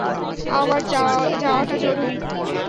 আমার যাওয়া টা জরুরী।